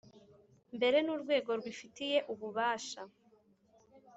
Mbere n urwego rubifitiye ububasha